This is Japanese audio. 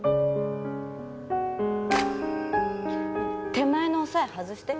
手前の押さえ外して。